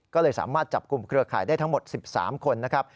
ก็เลยสามารถจับกลุ่มเครือข่ายได้ทั้งหมด๑๓คนนะครับ